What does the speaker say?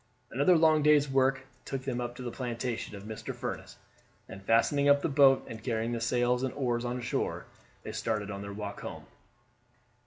Another long day's work took them up to the plantation of Mr. Furniss, and fastening up the boat, and carrying the sails and oars on shore, they started on their walk home.